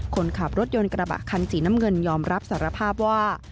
คนขับรถยนต์กระบะคันสีน้ำเงินยอมรับสารภาพว่า